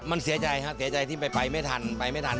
มันเสียใจครับเสียใจที่ไปไม่ทัน